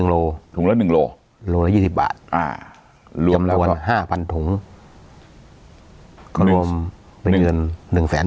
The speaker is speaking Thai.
๑โลหนึ่งโลโดย๒๐บาทรวมละวันห้าพันถุงก็รวมไปเงิน๑แสน